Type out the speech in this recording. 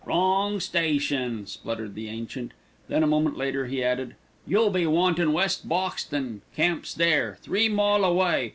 "Wrong station," spluttered the ancient. Then a moment later he added, "You be wantin' West Boxton. Camp's there. Three mile away.